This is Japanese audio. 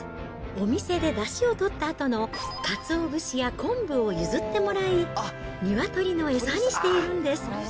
お店でだしをとったあとのカツオ節や昆布を譲ってもらい、ニワトリの餌にしているんです。